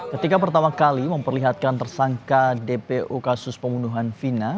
ketika pertama kali memperlihatkan tersangka dpu kasus pembunuhan vina